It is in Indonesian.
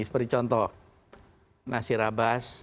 seperti contoh nasir abbas